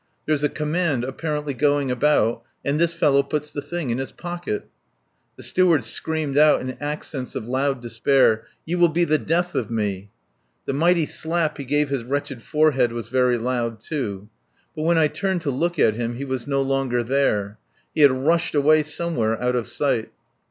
There's a command apparently going about and this fellow puts the thing in his pocket." The Steward screamed out in accents of loud despair: "You will be the death of me!" The mighty slap he gave his wretched forehead was very loud, too. But when I turned to look at him he was no longer there. He had rushed away somewhere out of sight.